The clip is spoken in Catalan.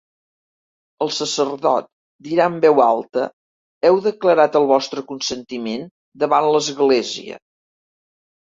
El sacerdot dirà en veu alta: Heu declarat el vostre consentiment davant l'Església.